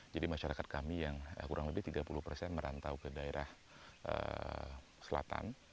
jadi masyarakat kami yang kurang lebih tiga puluh persen merantau ke daerah selatan